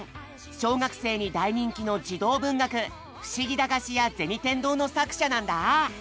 小学生に大人気の児童文学「ふしぎ駄菓子屋銭天堂」の作者なんだ。